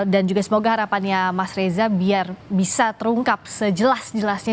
juga semoga harapannya mas reza biar bisa terungkap sejelas jelasnya